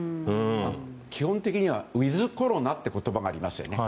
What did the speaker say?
基本的にはウィズコロナという言葉がありますよね。